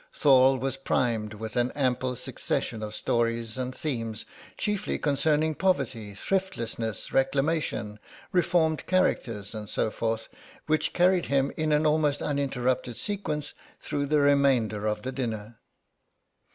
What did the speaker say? Thorle was primed with an ample succession of stories and themes, chiefly concerning poverty, thriftlessness, reclamation, reformed characters, and so forth, which carried him in an almost uninterrupted sequence through the remainder of the dinner.